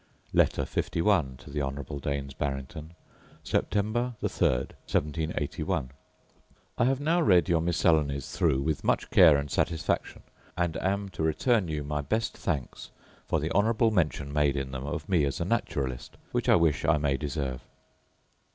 Letter LI To The Honourable Daines Barrington Selborne, Sept. 3, 1781. I have now read your miscellanies through with much care and satisfaction: and am to return you my best thanks for the honourable mention made in them of me as a naturalist, which I wish I may deserve.